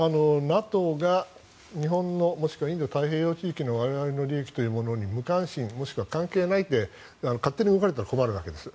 ＮＡＴＯが日本の、もしくはインド太平洋地域の我々の利益に無関心、もしくは関係ないって勝手に動かれたら困るわけです。